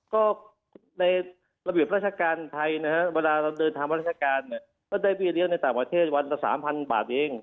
ก็ในระเบียบราชการไทยนะครับเวลาเราเดินทางราชการก็ได้เบี้ยเลี้ยงในต่างประเทศวันละสามพันบาทเอง